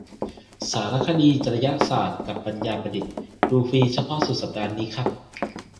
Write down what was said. สารคดี จริยศาสตร์กับปัญญาประดิษฐ์ ดูฟรีเฉพาะสุดสัปดาห์นี้ครับ